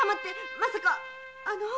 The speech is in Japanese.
まさかあの？